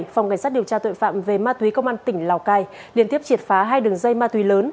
phòng cảnh sát điều tra tội phạm về ma túy công an tỉnh lào cai liên tiếp triệt phá hai đường dây ma túy lớn